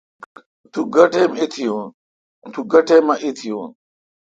تو گہ ٹیم اؘ ایتیون۔